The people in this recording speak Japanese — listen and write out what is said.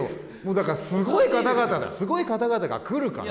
だからすごい方々すごい方々が来るから。